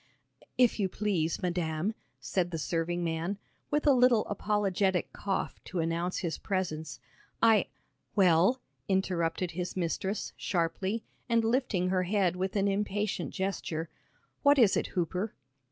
"If you please, madam," said the serving man, with a little apologetic cough to announce his presence, "I " "Well," interrupted his mistress, sharply, and lifting her head with an impatient gesture, "what is it, Hooper?"